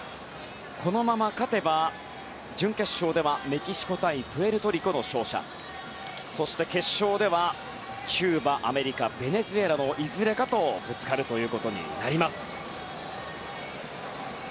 このまま勝てば、準決勝ではメキシコ対プエルトリコの勝者そして決勝ではキューバアメリカ、ベネズエラのいずれかとぶつかるということになります。